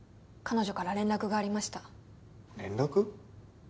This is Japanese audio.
彼女から連絡がありました連絡？